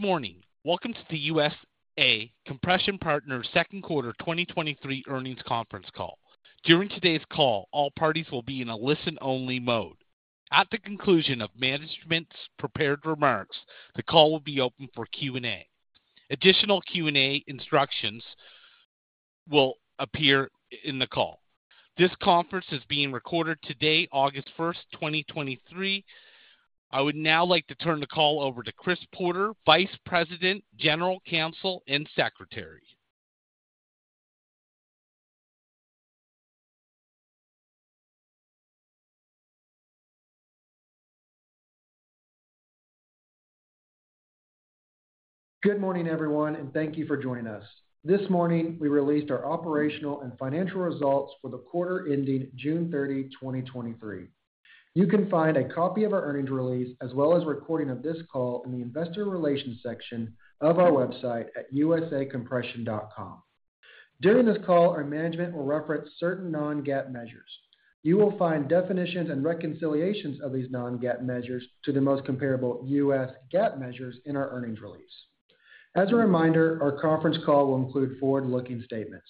Good morning! Welcome to the USA Compression Partners Q2 2023 Earnings Conference Call. During today's call, all parties will be in a listen-only mode. At the conclusion of management's prepared remarks, the call will be open for Q&A. Additional Q&A instructions will appear in the call. This conference is being recorded today, August 1, 2023. I would now like to turn the call over to Chris Porter, Vice President, General Counsel, and Secretary. Good morning, everyone, and thank you for joining us. This morning, we released our operational and financial results for the quarter ending June 30, 2023. You can find a copy of our earnings release, as well as a recording of this call, in the Investor Relations section of our website at usacompression.com. During this call, our management will reference certain non-GAAP measures. You will find definitions and reconciliations of these non-GAAP measures to the most comparable U.S. GAAP measures in our earnings release. As a reminder, our conference call will include forward-looking statements.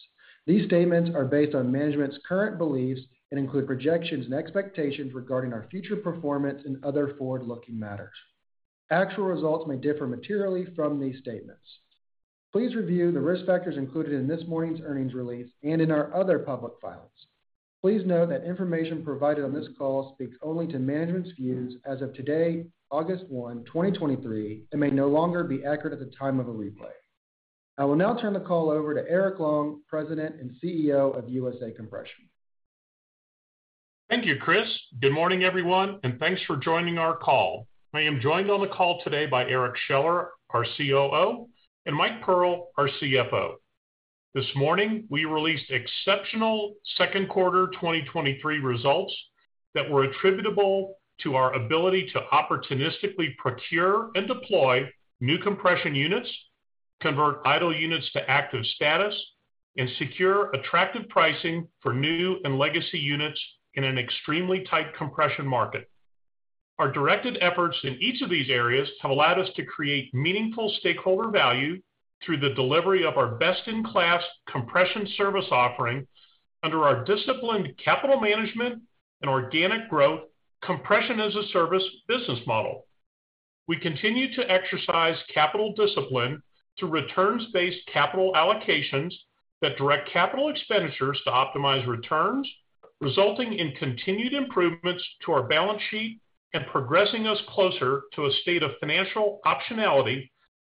These statements are based on management's current beliefs and include projections and expectations regarding our future performance and other forward-looking matters. Actual results may differ materially from these statements. Please review the risk factors included in this morning's earnings release and in our other public filings. Please note that information provided on this call speaks only to management's views as of today, August 1, 2023, and may no longer be accurate at the time of the replay. I will now turn the call over to Eric Long, President and CEO of USA Compression. Thank you, Chris. Good morning, everyone, and thanks for joining our call. I am joined on the call today by Eric Scheller, our COO, and Mike Pearl, our CFO. This morning, we released exceptional Q2 2023 results that were attributable to our ability to opportunistically procure and deploy new compression units, convert idle units to active status, and secure attractive pricing for new and legacy units in an extremely tight compression market. Our directed efforts in each of these areas have allowed us to create meaningful stakeholder value through the delivery of our best-in-class compression service offering under our disciplined capital management and organic growth compression-as-a-service business model. We continue to exercise capital discipline through returns-based capital allocations that direct capital expenditures to optimize returns, resulting in continued improvements to our balance sheet and progressing us closer to a state of financial optionality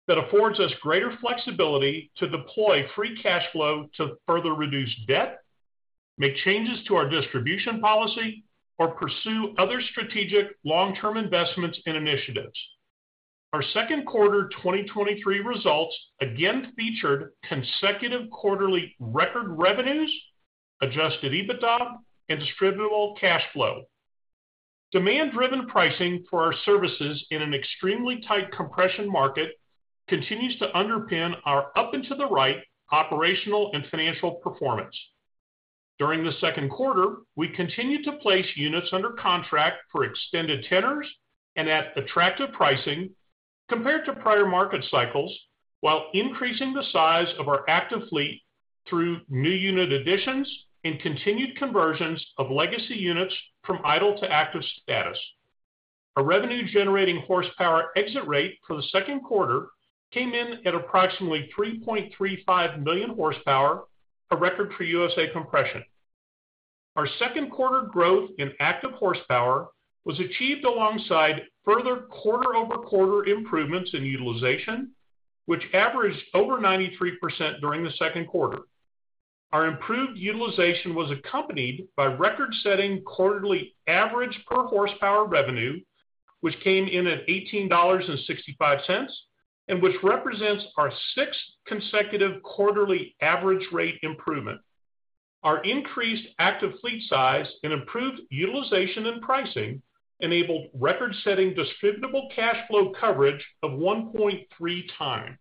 that affords us greater flexibility to deploy free cash flow to further reduce debt, make changes to our distribution policy, or pursue other strategic long-term investments and initiatives. Our Q2 2023 results again featured consecutive quarterly record revenues, Adjusted EBITDA, and Distributable Cash Flow. Demand-driven pricing for our services in an extremely tight compression market continues to underpin our up and to the right operational and financial performance. During the Q2, we continued to place units under contract for extended tenors and at attractive pricing compared to prior market cycles, while increasing the size of our active fleet through new unit additions and continued conversions of legacy units from idle to active status. Our revenue-generating horsepower exit rate for the Q2 came in at approximately 3.35 million horsepower, a record for USA Compression. Our Q2 growth in active horsepower was achieved alongside further quarter-over-quarter improvements in utilization, which averaged over 93% during the Q2. Our improved utilization was accompanied by record-setting quarterly average per horsepower revenue, which came in at $18.65, and which represents our sixth consecutive quarterly average rate improvement. Our increased active fleet size and improved utilization and pricing enabled record-setting Distributable Cash Flow coverage of 1.3x.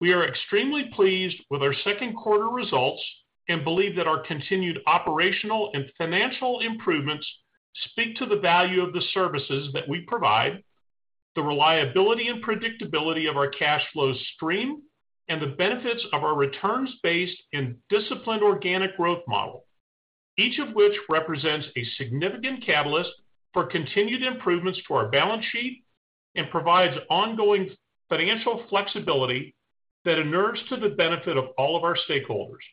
We are extremely pleased with our Q2 results and believe that our continued operational and financial improvements speak to the value of the services that we provide, the reliability and predictability of our cash flow stream, and the benefits of our returns-based and disciplined organic growth model, each of which represents a significant catalyst for continued improvements to our balance sheet and provides ongoing financial flexibility that inures to the benefit of all of our stakeholders.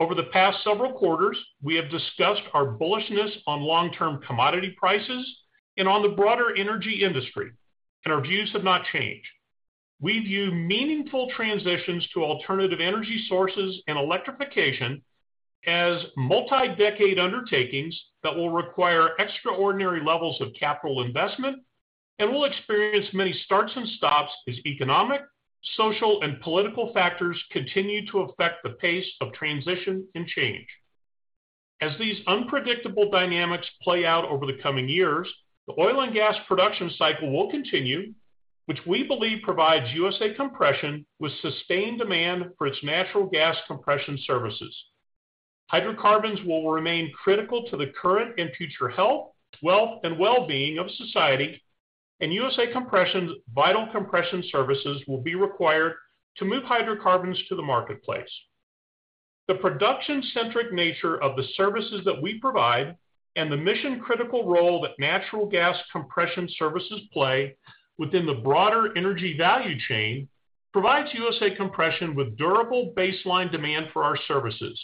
Over the past several quarters, we have discussed our bullishness on long-term commodity prices and on the broader energy industry, and our views have not changed. We view meaningful transitions to alternative energy sources and electrification as multi-decade undertakings that will require extraordinary levels of capital investment and will experience many starts and stops as economic, social, and political factors continue to affect the pace of transition and change. As these unpredictable dynamics play out over the coming years, the oil and gas production cycle will continue, which we believe provides USA Compression with sustained demand for its natural gas compression services. Hydrocarbons will remain critical to the current and future health, wealth, and well-being of society, and USA Compression's vital compression services will be required to move hydrocarbons to the marketplace. The production-centric nature of the services that we provide and the mission-critical role that natural gas compression services play within the broader energy value chain, provides USA Compression with durable baseline demand for our services.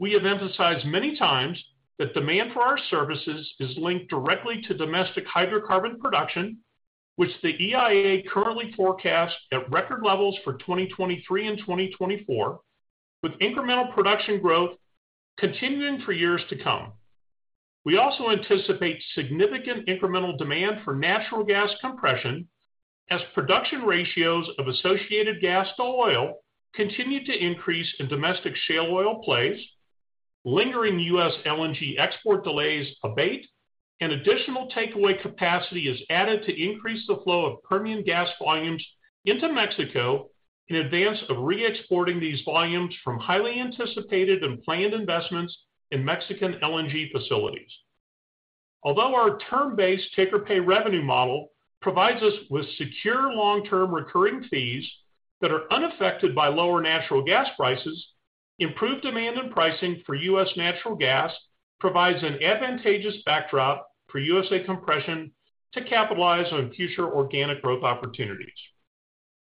We have emphasized many times that demand for our services is linked directly to domestic hydrocarbon production, which the EIA currently forecasts at record levels for 2023 and 2024, with incremental production growth continuing for years to come. We also anticipate significant incremental demand for natural gas compression as production ratios of associated gas to oil continue to increase in domestic shale oil plays, lingering U.S. LNG export delays abate, and additional takeaway capacity is added to increase the flow of Permian gas volumes into Mexico in advance of re-exporting these volumes from highly anticipated and planned investments in Mexican LNG facilities. Although our term-based take-or-pay revenue model provides us with secure, long-term recurring fees that are unaffected by lower natural gas prices, improved demand and pricing for U.S. natural gas provides an advantageous backdrop for USA Compression to capitalize on future organic growth opportunities.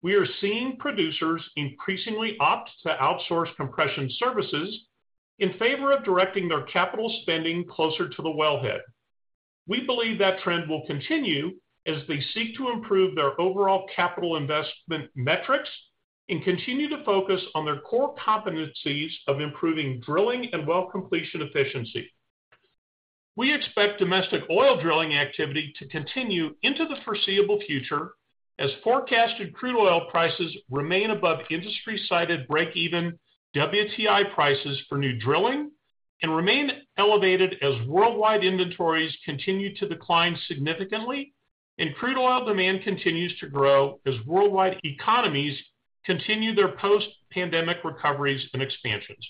We are seeing producers increasingly opt to outsource compression services in favor of directing their capital spending closer to the wellhead. We believe that trend will continue as they seek to improve their overall capital investment metrics and continue to focus on their core competencies of improving drilling and well completion efficiency. We expect domestic oil drilling activity to continue into the foreseeable future as forecasted crude oil prices remain above industry-cited break-even WTI prices for new drilling, and remain elevated as worldwide inventories continue to decline significantly, and crude oil demand continues to grow as worldwide economies continue their post-pandemic recoveries and expansions.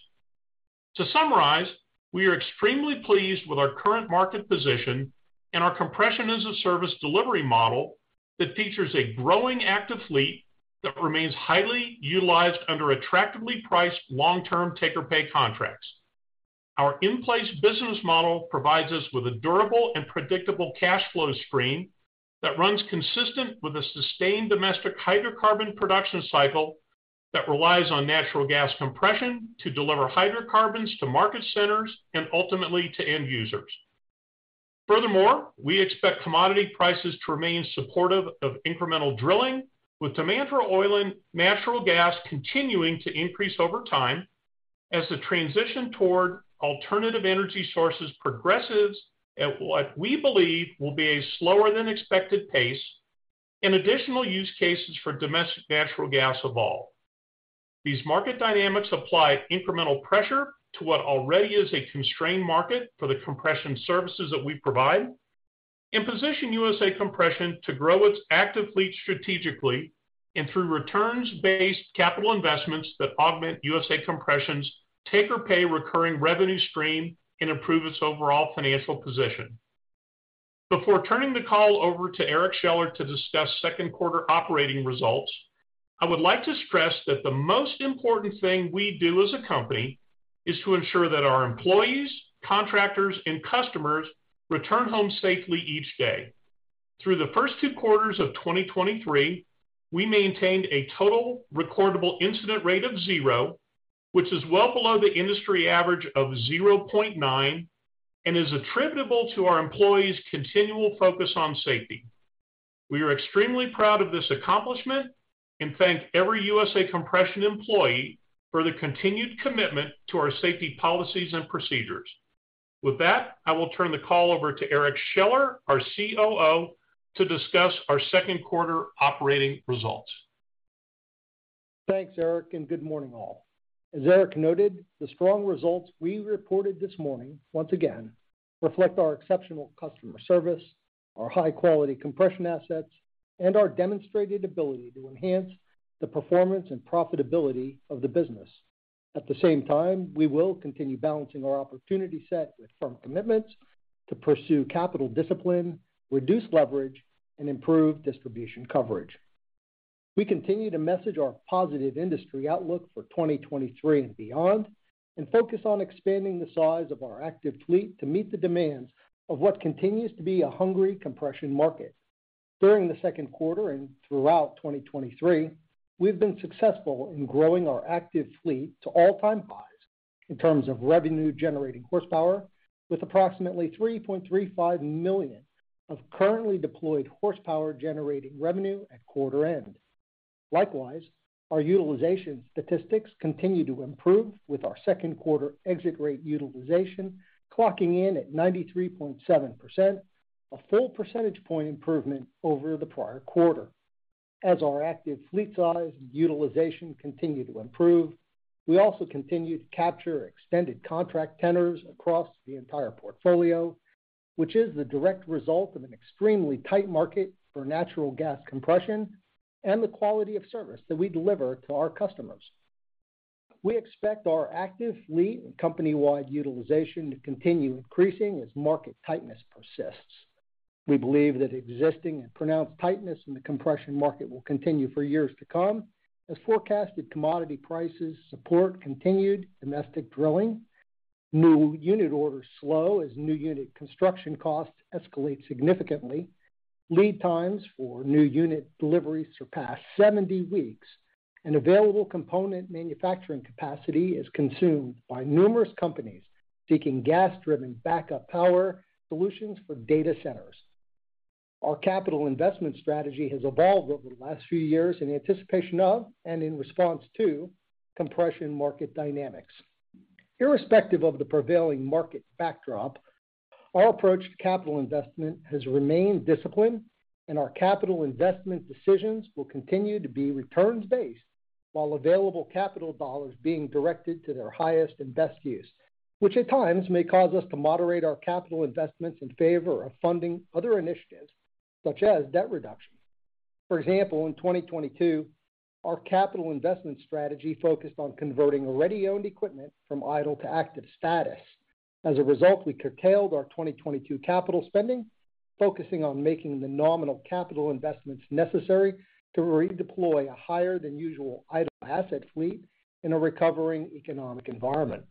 To summarize, we are extremely pleased with our current market position and our compression-as-a-service delivery model that features a growing active fleet that remains highly utilized under attractively priced long-term take-or-pay contracts. Our in-place business model provides us with a durable and predictable cash flow stream that runs consistent with a sustained domestic hydrocarbon production cycle that relies on natural gas compression to deliver hydrocarbons to market centers and ultimately to end users. Furthermore, we expect commodity prices to remain supportive of incremental drilling, with demand for oil and natural gas continuing to increase over time as the transition toward alternative energy sources progresses at what we believe will be a slower than expected pace, and additional use cases for domestic natural gas evolve. These market dynamics apply incremental pressure to what already is a constrained market for the compression services that we provide, and position USA Compression to grow its active fleet strategically and through returns-based capital investments that augment USA Compression's take-or-pay recurring revenue stream and improve its overall financial position. Before turning the call over to Eric Scheller to discuss Q2 operating results, I would like to stress that the most important thing we do as a company is to ensure that our employees, contractors, and customers return home safely each day. Through the first two quarters of 2023, we maintained a Total Recordable Incident Rate of 0, which is well below the industry average of 0.9 and is attributable to our employees' continual focus on safety. We are extremely proud of this accomplishment and thank every USA Compression employee for their continued commitment to our safety policies and procedures. With that, I will turn the call over to Eric Scheller, our COO, to discuss our Q2 operating results. Eric Scheller. Good morning, all. As Eric noted, the strong results we reported this morning, once again, reflect our exceptional customer service, our high-quality compression assets, and our demonstrated ability to enhance the performance and profitability of the business. At the same time, we will continue balancing our opportunity set with firm commitments to pursue capital discipline, reduce leverage, and improve distribution coverage. We continue to message our positive industry outlook for 2023 and beyond, and focus on expanding the size of our active fleet to meet the demands of what continues to be a hungry compression market. During the Q2 and throughout 2023, we've been successful in growing our active fleet to all-time highs in terms of revenue-generating horsepower, with approximately 3.35 million of currently deployed horsepower generating revenue at quarter end. Likewise, our utilization statistics continue to improve, with our Q2 exit rate utilization clocking in at 93.7%, a full percentage point improvement over the prior quarter. As our active fleet size and utilization continue to improve, we also continue to capture extended contract tenors across the entire portfolio. which is the direct result of an extremely tight market for natural gas compression and the quality of service that we deliver to our customers. We expect our active fleet and company-wide utilization to continue increasing as market tightness persists. We believe that existing and pronounced tightness in the compression market will continue for years to come, as forecasted commodity prices support continued domestic drilling. New unit orders slow as new unit construction costs escalate significantly. Lead times for new unit deliveries surpass 70 weeks, and available component manufacturing capacity is consumed by numerous companies seeking gas-driven backup power solutions for data centers. Our capital investment strategy has evolved over the last few years in anticipation of, and in response to, compression market dynamics. Irrespective of the prevailing market backdrop, our approach to capital investment has remained disciplined, and our capital investment decisions will continue to be returns-based, while available capital dollars being directed to their highest and best use, which at times may cause us to moderate our capital investments in favor of funding other initiatives, such as debt reduction. For example, in 2022, our capital investment strategy focused on converting already owned equipment from idle to active status. As a result, we curtailed our 2022 capital spending, focusing on making the nominal capital investments necessary to redeploy a higher than usual idle asset fleet in a recovering economic environment.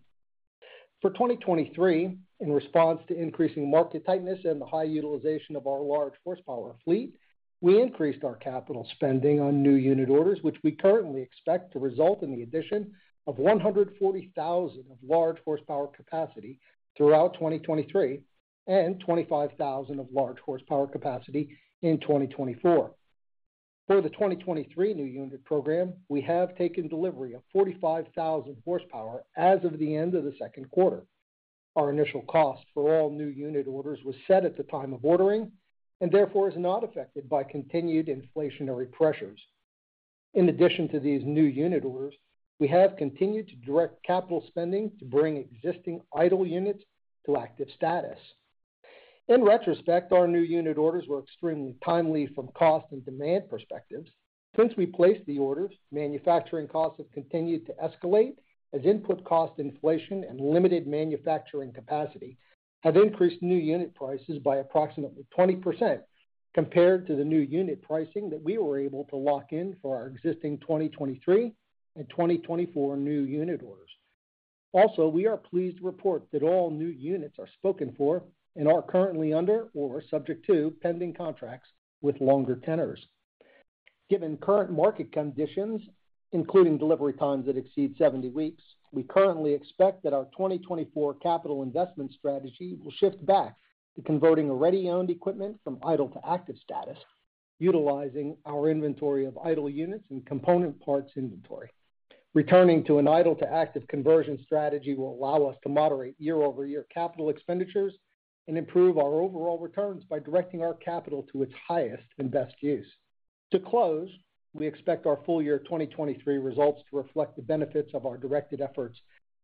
For 2023, in response to increasing market tightness and the high utilization of our large horsepower fleet, we increased our capital spending on new unit orders, which we currently expect to result in the addition of 140,000 of large horsepower capacity throughout 2023, and 25,000 of large horsepower capacity in 2024. For the 2023 new unit program, we have taken delivery of 45,000 horsepower as of the end of the Q2. Our initial cost for all new unit orders was set at the time of ordering, and therefore is not affected by continued inflationary pressures. In addition to these new unit orders, we have continued to direct capital spending to bring existing idle units to active status. In retrospect, our new unit orders were extremely timely from cost and demand perspectives. Since we placed the orders, manufacturing costs have continued to escalate as input cost inflation and limited manufacturing capacity have increased new unit prices by approximately 20% compared to the new unit pricing that we were able to lock in for our existing 2023 and 2024 new unit orders. Also, we are pleased to report that all new units are spoken for and are currently under, or subject to, pending contracts with longer tenors. Given current market conditions, including delivery times that exceed 70 weeks, we currently expect that our 2024 capital investment strategy will shift back to converting already owned equipment from idle to active status, utilizing our inventory of idle units and component parts inventory. Returning to an idle-to-active conversion strategy will allow us to moderate year-over-year capital expenditures and improve our overall returns by directing our capital to its highest and best use. To close, we expect our full year 2023 results to reflect the benefits of our directed efforts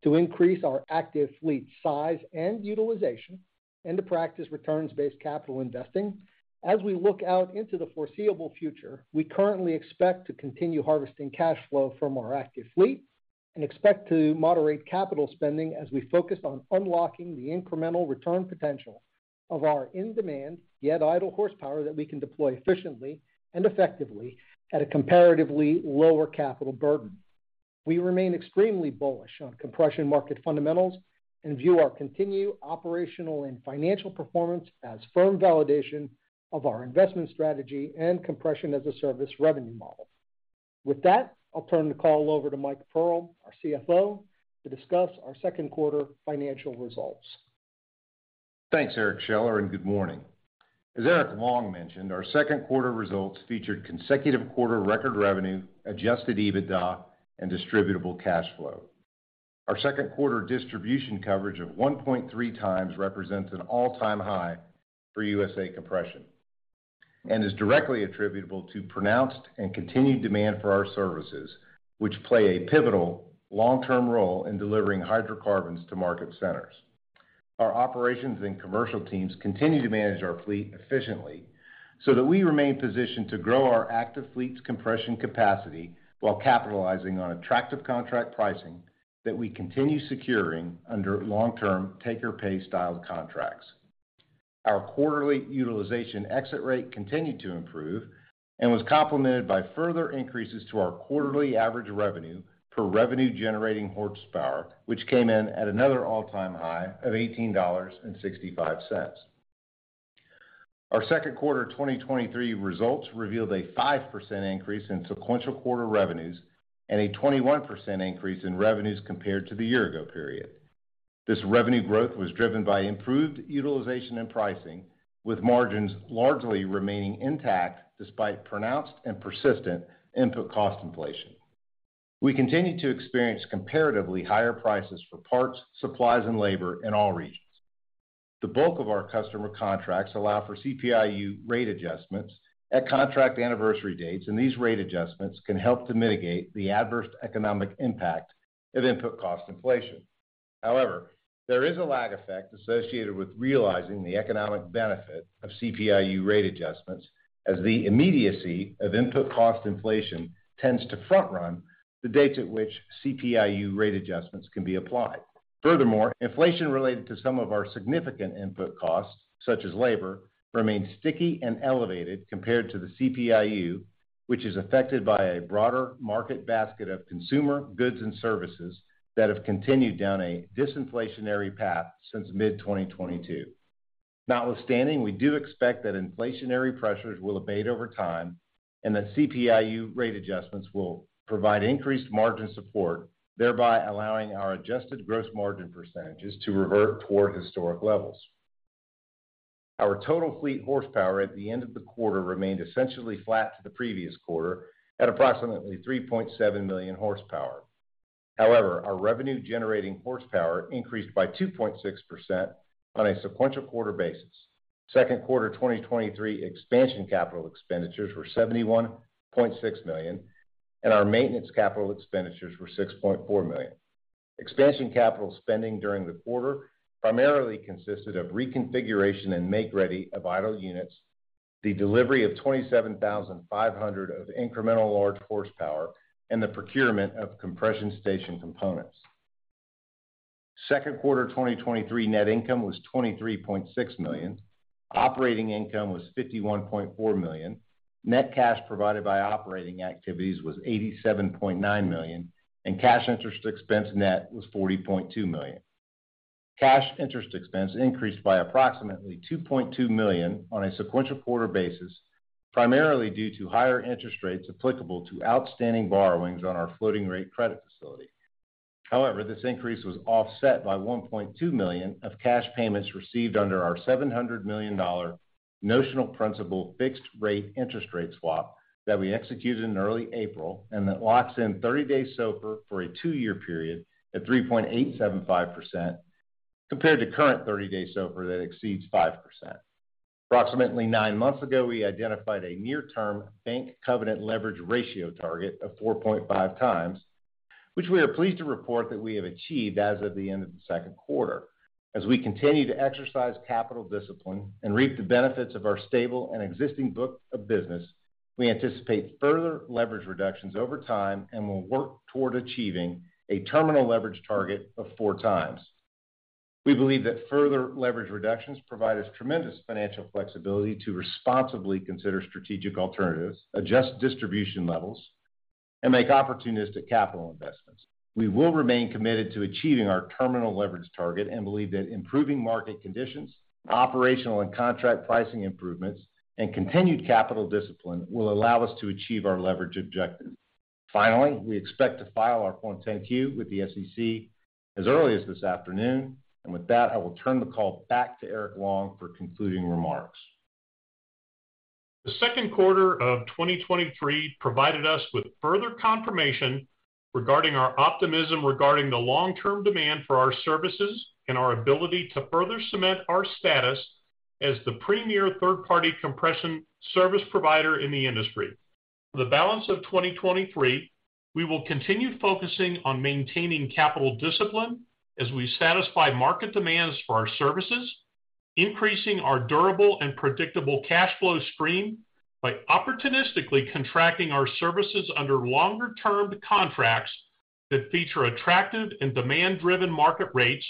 to increase our active fleet size and utilization, and to practice returns-based capital investing. As we look out into the foreseeable future, we currently expect to continue harvesting cash flow from our active fleet and expect to moderate capital spending as we focus on unlocking the incremental return potential of our in-demand, yet idle horsepower, that we can deploy efficiently and effectively at a comparatively lower capital burden. We remain extremely bullish on compression market fundamentals and view our continued operational and financial performance as firm validation of our investment strategy and compression-as-a-service revenue model. With that, I'll turn the call over to Michael Pearl, our CFO, to discuss our Q2 financial results. Eric Scheller, good morning. As Eric Long mentioned, our Q2 results featured consecutive quarter record revenue, Adjusted EBITDA, and Distributable Cash Flow. Our Q2 distribution coverage of 1.3 times represents an all-time high for USA Compression, is directly attributable to pronounced and continued demand for our services, which play a pivotal long-term role in delivering hydrocarbons to market centers. Our operations and commercial teams continue to manage our fleet efficiently so that we remain positioned to grow our active fleet's compression capacity while capitalizing on attractive contract pricing that we continue securing under long-term take-or-pay style contracts. Our quarterly utilization exit rate continued to improve and was complemented by further increases to our quarterly average revenue per revenue-generating horsepower, which came in at another all-time high of $18.65. Our Q2 2023 results revealed a 5% increase in sequential quarter revenues and a 21% increase in revenues compared to the year-ago period. This revenue growth was driven by improved utilization and pricing, with margins largely remaining intact despite pronounced and persistent input cost inflation. We continue to experience comparatively higher prices for parts, supplies, and labor in all regions. The bulk of our customer contracts allow for CPI-U rate adjustments at contract anniversary dates, and these rate adjustments can help to mitigate the adverse economic impact of input cost inflation. However, there is a lag effect associated with realizing the economic benefit of CPI-U rate adjustments, as the immediacy of input cost inflation tends to front run the dates at which CPI-U rate adjustments can be applied. Furthermore, inflation related to some of our significant input costs, such as labor, remains sticky and elevated compared to the CPI-U, which is affected by a broader market basket of consumer goods and services that have continued down a disinflationary path since mid-2022. Notwithstanding, we do expect that inflationary pressures will abate over time and that CPI-U rate adjustments will provide increased margin support, thereby allowing our adjusted gross margin % to revert toward historic levels. Our total fleet horsepower at the end of the quarter remained essentially flat to the previous quarter at approximately 3.7 million horsepower. However, our revenue-generating horsepower increased by 2.6% on a sequential quarter basis. Q2 2023 expansion capital expenditures were $71.6 million, and our maintenance capital expenditures were $6.4 million. Expansion capital spending during the quarter primarily consisted of reconfiguration and make-ready of idle units, the delivery of 27,500 of incremental large horsepower, and the procurement of compression station components. Q2 2023 net income was $23.6 million, operating income was $51.4 million, net cash provided by operating activities was $87.9 million, and cash interest expense net was $40.2 million. Cash interest expense increased by approximately $2.2 million on a sequential quarter basis, primarily due to higher interest rates applicable to outstanding borrowings on our floating rate credit facility. However, this increase was offset by $1.2 million of cash payments received under our $700 million notional principal fixed-rate interest rate swap that we executed in early April, and that locks in 30-day SOFR for a 2-year period at 3.875%, compared to current 30-day SOFR that exceeds 5%. Approximately nine months ago, we identified a near-term bank covenant leverage ratio target of 4.5 times, which we are pleased to report that we have achieved as of the end of the Q2. As we continue to exercise capital discipline and reap the benefits of our stable and existing book of business, we anticipate further leverage reductions over time and will work toward achieving a terminal leverage target of 4 times. We believe that further leverage reductions provide us tremendous financial flexibility to responsibly consider strategic alternatives, adjust distribution levels, and make opportunistic capital investments. We will remain committed to achieving our terminal leverage target and believe that improving market conditions, operational and contract pricing improvements, and continued capital discipline will allow us to achieve our leverage objectives. Finally, we expect to file our Form 10-Q with the SEC as early as this afternoon, and with that, I will turn the call back to Eric Long for concluding remarks. The Q2 2023 provided us with further confirmation regarding our optimism regarding the long-term demand for our services and our ability to further cement our status as the premier third-party compression service provider in the industry. For the balance of 2023, we will continue focusing on maintaining capital discipline as we satisfy market demands for our services, increasing our durable and predictable cash flow stream by opportunistically contracting our services under longer-term contracts that feature attractive and demand-driven market rates,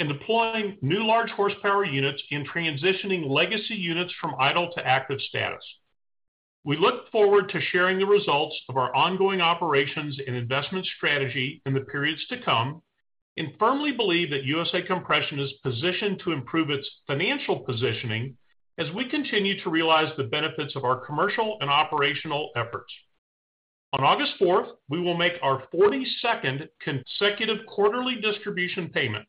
and deploying new large horsepower units in transitioning legacy units from idle to active status. We look forward to sharing the results of our ongoing operations and investment strategy in the periods to come, and firmly believe that USA Compression is positioned to improve its financial positioning as we continue to realize the benefits of our commercial and operational efforts. On August 4th, we will make our 42nd Consecutive Quarterly Distribution Payment.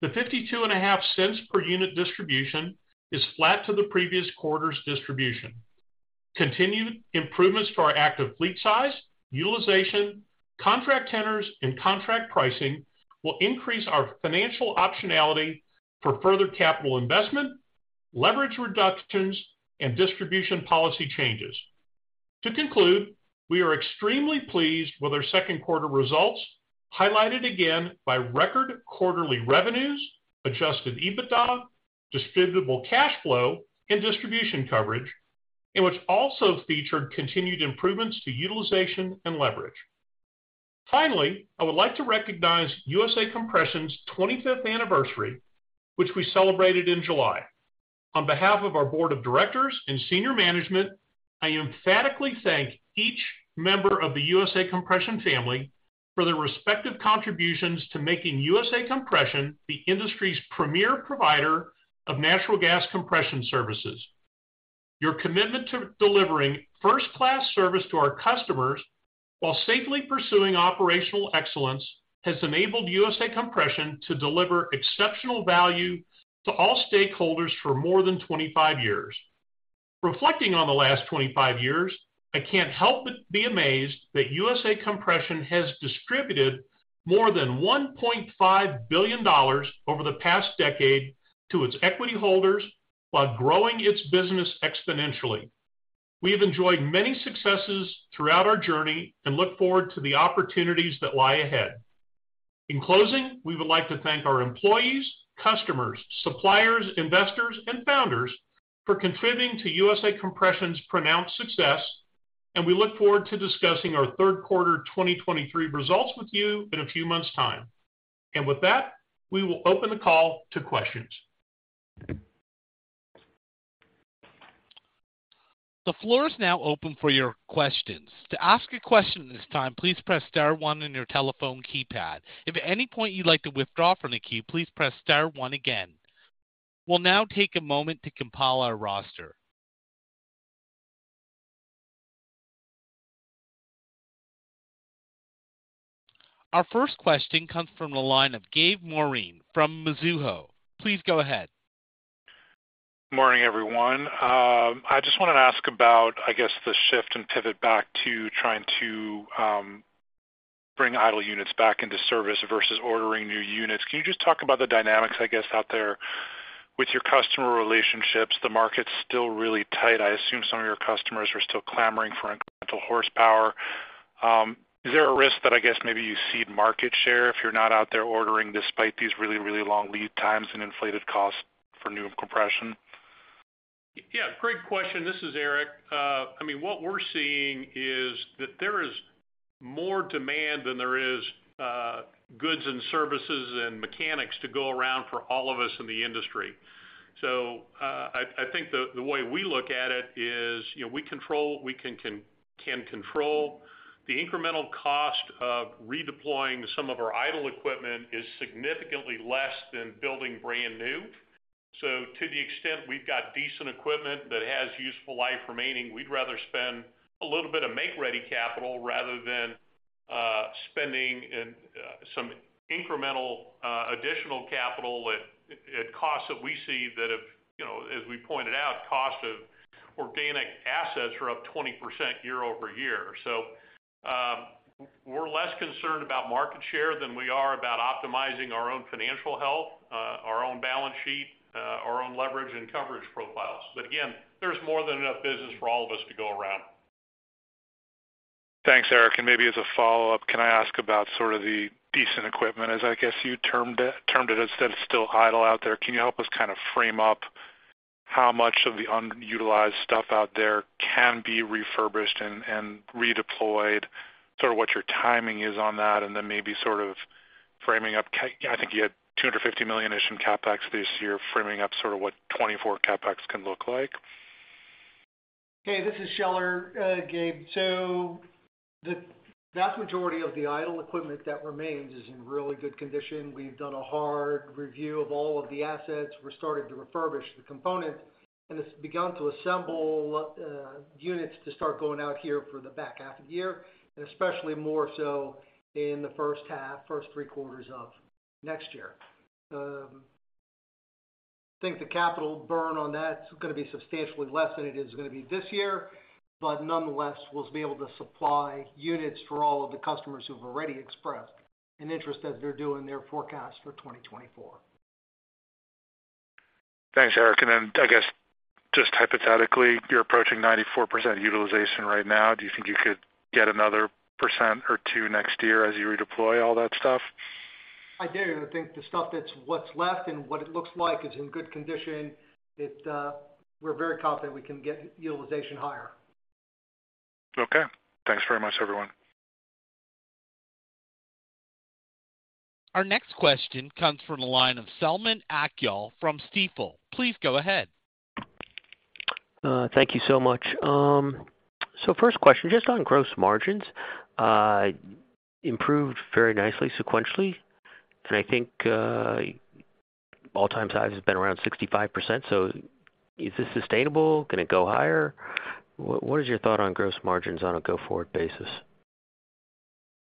The $0.525 per unit distribution is flat to the previous quarter's distribution. Continued improvements to our active fleet size, utilization, contract tenors, and contract pricing will increase our financial optionality for further capital investment, leverage reductions, and distribution policy changes. To conclude, we are extremely pleased with our Q2results, highlighted again by record quarterly revenues, Adjusted EBITDA, Distributable Cash Flow, and distribution coverage, and which also featured continued improvements to utilization and leverage. Finally, I would like to recognize USA Compression's 25th anniversary, which we celebrated in July. On behalf of our board of directors and senior management, I emphatically thank each member of the USA Compression family for their respective contributions to making USA Compression the industry's premier provider of natural gas compression services. Your commitment to delivering first-class service to our customers, while safely pursuing operational excellence, has enabled USA Compression to deliver exceptional value to all stakeholders for more than 25 years. Reflecting on the last 25 years, I can't help but be amazed that USA Compression has distributed more than $1.5 billion over the past decade to its equity holders, while growing its business exponentially. We have enjoyed many successes throughout our journey and look forward to the opportunities that lie ahead. In closing, we would like to thank our employees, customers, suppliers, investors, and founders for contributing to USA Compression's pronounced success, and we look forward to discussing our Q3 2023 results with you in a few months' time. With that, we will open the call to questions. The floor is now open for your questions. To ask a question at this time, please press star one on your telephone keypad. If at any point you'd like to withdraw from the queue, please press star one again. We'll now take a moment to compile our roster. Our first question comes from the line of Gabe Moreen from Mizuho. Please go ahead. Morning, everyone. I just wanted to ask about, I guess, the shift and pivot back to trying to bring idle units back into service versus ordering new units. Can you just talk about the dynamics, I guess, out there with your customer relationships? The market's still really tight. I assume some of your customers are still clamoring for incremental horsepower. Is there a risk that, I guess, maybe you cede market share if you're not out there ordering, despite these really, really long lead times and inflated costs for new compression? Yeah, great question. This is Eric. I mean, what we're seeing is that there is more demand than there is goods and services and mechanics to go around for all of us in the industry. I think the way we look at it is, you know, we control what we can control. The incremental cost of redeploying some of our idle equipment is significantly less than building brand new. To the extent we've got decent equipment that has useful life remaining, we'd rather spend a little bit of make-ready capital rather than spending in some incremental additional capital at costs that we see that have, you know, as we pointed out, cost of organic assets are up 20% year-over-year. We're less concerned about market share than we are about optimizing our own financial health, our own balance sheet, our own leverage and coverage profiles. Again, there's more than enough business for all of us to go around. Eric Scheller, maybe as a follow-up, can I ask about sort of the decent equipment, as I guess you termed it, that's still idle out there? Can you help us kind of frame up how much of the unutilized stuff out there can be refurbished and redeployed? Sort of what your timing is on that, and then maybe sort of framing up, I think you had $250 million-ish in CapEx this year, framing up sort of what 2024 CapEx can look like. Hey, this is Scheller, Gabe. The vast majority of the idle equipment that remains is in really good condition. We've done a hard review of all of the assets. We're starting to refurbish the components, and it's begun to assemble, units to start going out here for the back half of the year, and especially more so in the first half, first three quarters of next year. I think the capital burn on that is going to be substantially less than it is going to be this year, but nonetheless, we'll be able to supply units for all of the customers who've already expressed an interest as they're doing their forecast for 2024. Thanks Eric. Then, I guess, just hypothetically, you're approaching 94% utilization right now. Do you think you could get another 1% or 2% next year as you redeploy all that stuff? I do. I think the stuff that's what's left and what it looks like is in good condition. It, we're very confident we can get utilization higher. Okay. Thanks very much, everyone. Our next question comes from the line of Selman Akyol from Stifel. Please go ahead. Thank you so much. First question, just on gross margins, improved very nicely sequentially, and I think all-time high has been around 65%. Is this sustainable? Can it go higher? What is your thought on gross margins on a go-forward basis?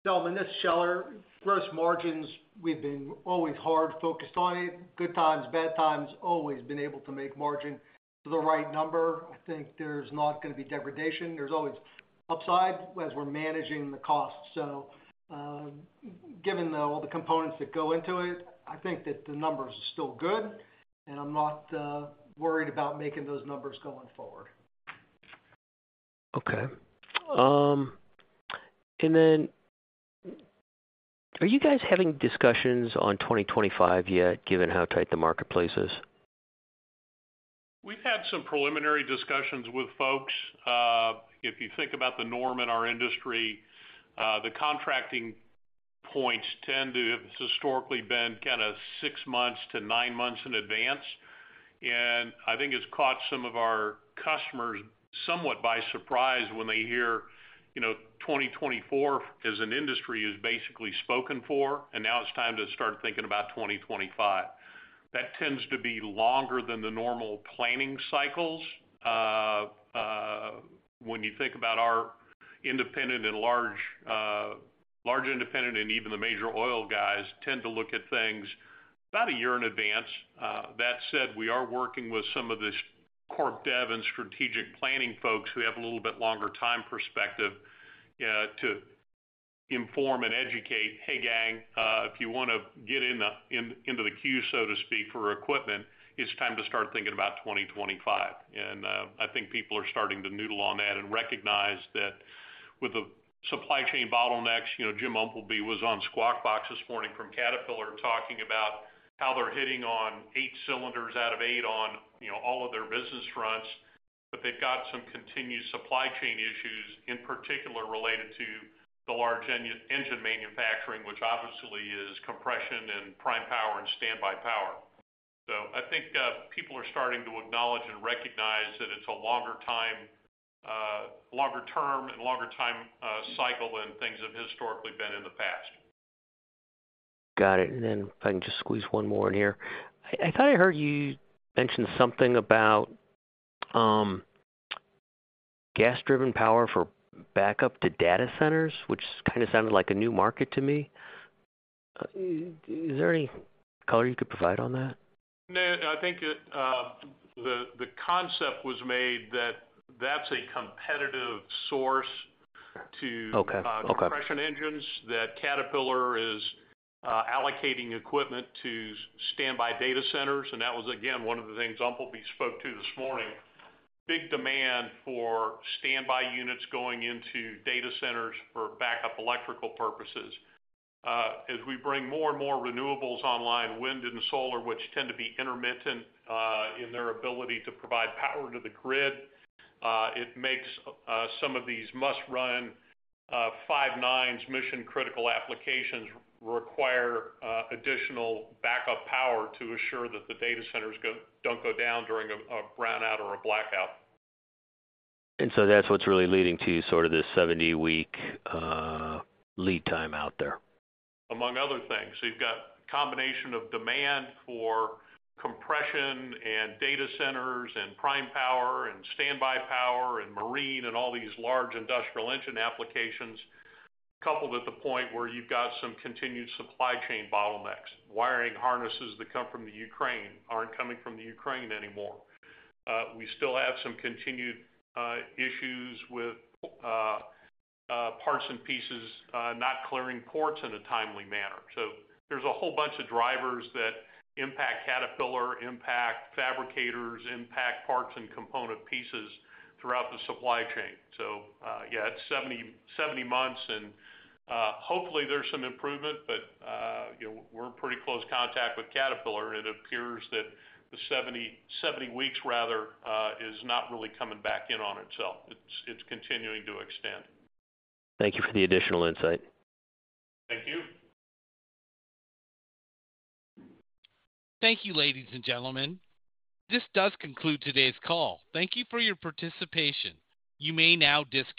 Selman, this is Scheller. Gross margins, we've been always hard focused on it. Good times, bad times, always been able to make margin the right number. I think there's not going to be degradation. There's always upside as we're managing the costs. Given all the components that go into it, I think that the numbers are still good, and I'm not worried about making those numbers going forward. Okay. Are you guys having discussions on 2025 yet, given how tight the marketplace is? We've had some preliminary discussions with folks. If you think about the norm in our industry, the contracting points tend to have historically been kind of 6 months to 9 months in advance. I think it's caught some of our customers somewhat by surprise when they hear, you know, 2024, as an industry, is basically spoken for, and now it's time to start thinking about 2025. That tends to be longer than the normal planning cycles. When you think about our independent and large, large, independent, and even the major oil guys tend to look at things about 1 year in advance. That said, we are working with some of the corp dev and strategic planning folks who have a little bit longer time perspective. Inform and educate, "Hey, gang, if you wanna get in the, in, into the queue, so to speak, for equipment, it's time to start thinking about 2025." I think people are starting to noodle on that and recognize that with the supply chain bottlenecks, you know, Jim Umpleby was on Squawk Box this morning from Caterpillar, talking about how they're hitting on 8 cylinders out of 8 on, you know, all of their business fronts. They've got some continued supply chain issues, in particular, related to the large engine manufacturing, which obviously is compression and prime power and standby power. I think people are starting to acknowledge and recognize that it's a longer time, longer term and longer time, cycle than things have historically been in the past. Got it. If I can just squeeze one more in here. I, I thought I heard you mention something about gas-driven power for backup to data centers, which kind of sounded like a new market to me. Is there any color you could provide on that? No, I think it, the, the concept was made that that's a competitive source to- Okay, okay. Compression engines, that Caterpillar is allocating equipment to standby data centers, and that was, again, one of the things Umpleby spoke to this morning. Big demand for standby units going into data centers for backup electrical purposes. As we bring more and more renewables online, wind and solar, which tend to be intermittent in their ability to provide power to the grid, it makes some of these must-run five nines mission-critical applications require additional backup power to assure that the data centers don't go down during a brownout or a blackout. That's what's really leading to sort of this 70-week lead time out there? Among other things. You've got combination of demand for compression, and data centers, and prime power, and standby power, and marine, and all these large industrial engine applications, coupled with the point where you've got some continued supply chain bottlenecks. Wiring harnesses that come from the Ukraine aren't coming from the Ukraine anymore. We still have some continued issues with parts and pieces not clearing ports in a timely manner. There's a whole bunch of drivers that impact Caterpillar, impact fabricators, impact parts and component pieces throughout the supply chain. Yeah, it's 70, 70 months and hopefully there's some improvement, but you know, we're in pretty close contact with Caterpillar, and it appears that the 70- 70 weeks rather, is not really coming back in on itself. It's, it's continuing to extend. Thank you for the additional insight. Thank you. Thank you, ladies and gentlemen. This does conclude today's call. Thank you for your participation. You may now disconnect.